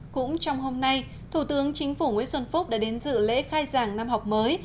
cũng trong hôm nay thủ tướng chính phủ nguyễn xuân phúc đã đến dự lễ khai giảng năm học mới